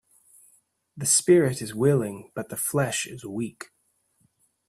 The spirit is willing but the flesh is weak